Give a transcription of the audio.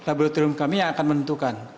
jadi kami laboratorium kami yang akan menentukan